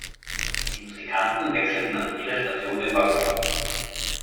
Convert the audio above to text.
Die Musikanten wechselten an jeder Station den Waggon.